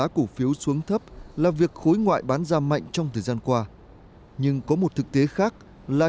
cổ phiếu xuống thấp là việc khối ngoại bán ra mạnh trong thời gian qua nhưng có một thực tế khác là